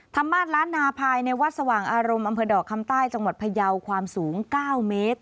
มาสล้านนาภายในวัดสว่างอารมณ์อำเภอดอกคำใต้จังหวัดพยาวความสูง๙เมตร